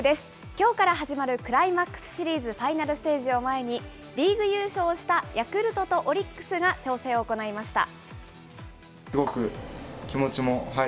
きょうから始まるクライマックスシリーズファイナルステージを前に、リーグ優勝をしたヤクルトとオリックスが調整を行いました。